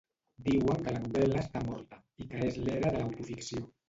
Diuen que la novel·la està morta, i que és l’era de l’autoficció.